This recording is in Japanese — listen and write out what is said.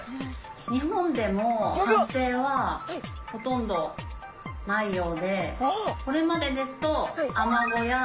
日本でも発生はほとんどないようでこれまでですとアマゴやニジマス